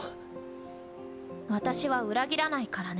私は裏切らないからね。